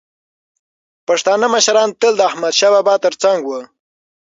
پښتانه مشران تل د احمدشاه بابا تر څنګ وو.